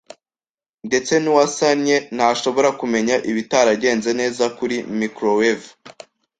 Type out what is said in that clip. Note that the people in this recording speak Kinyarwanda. Ndetse nuwasannye ntashobora kumenya ibitaragenze neza kuri microwave.